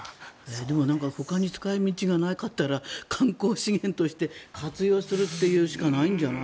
でもほかに使い道がなかったら観光資源として活用するというしかないんじゃない？